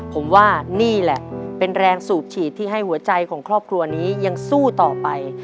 ผมว่านี่แหละเป็นแรงสูบฉีดที่ให้หัวใจของครอบครัวนี้ยังสู้ต่อไป